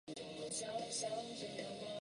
鲁比内亚是巴西圣保罗州的一个市镇。